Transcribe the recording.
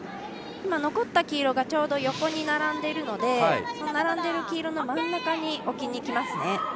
今、残った黄色がちょうど横に並んでいるので、その並んでいる黄色の真ん中に置きにきますね。